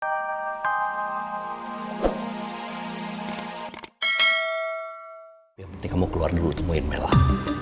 ya penting kamu keluar dulu temuin mel lah